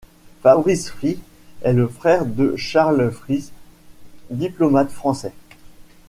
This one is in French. Fabrice Fries est le frère de Charles Fries, diplomate français.